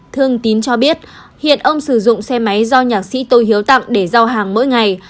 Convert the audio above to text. thương tín cho biết hiện ông sử dụng xe máy do nhạc sĩ tô hiếu tặng để giao hàng mỗi ngày